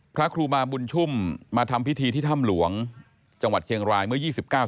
พระครูบาบุญชุ่มมาทำพิธีที่ถ้ำหลวงจังหวัดเชียงรายเมื่อยี่สิบเก้า